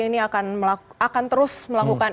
ini akan terus melakukan